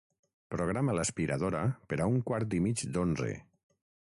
Programa l'aspiradora per a un quart i mig d'onze.